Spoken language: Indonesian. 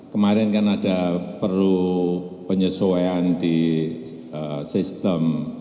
kemarin kan ada perlu penyesuaian di sistem